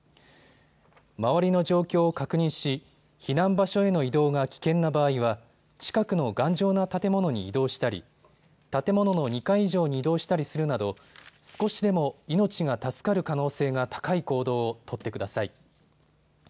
周りの状況を確認し、避難場所への移動が危険な場合は近くの頑丈な建物に移動したり、建物の２階以上に移動したりするなど少しでも命が助かる可能性が高い行動を取ってください。